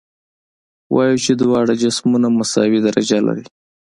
وایو چې دواړه جسمونه مساوي درجه لري.